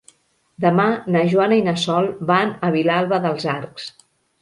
Demà na Joana i na Sol van a Vilalba dels Arcs.